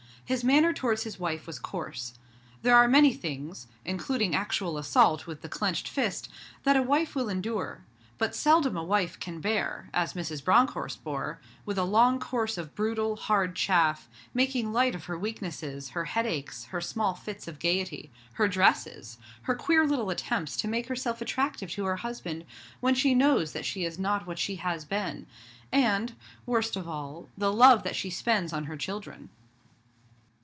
His manner towards his wife was coarse. There are many things including actual assault with the clenched fist that a wife will endure; but seldom a wife can bear as Mrs. Bronckhorst bore with a long course of brutal, hard chaff, making light of her weaknesses, her headaches, her small fits of gaiety, her dresses, her queer little attempts to make herself attractive to her husband when she knows that she is not what she has been, and worst of all the love that she spends on her children.